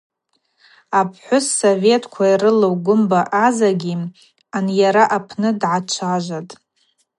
Апхӏвыс советква йрылу Гвымба Азагьи анйара апны дгӏачважватӏ.